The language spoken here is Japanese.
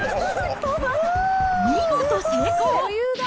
見事成功。